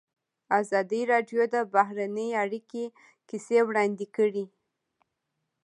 ازادي راډیو د بهرنۍ اړیکې کیسې وړاندې کړي.